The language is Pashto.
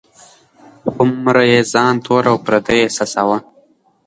هومره یې ځان تور او پردی احساساوه.